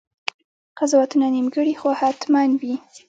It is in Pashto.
قضاوتونه نیمګړي خو حتماً وي.